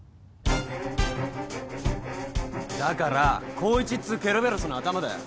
だから光一っつうケルベロスのアタマだよ。